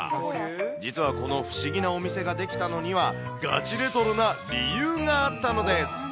実は、この不思議なお店が出来たのには、ガチレトロな理由があったのです。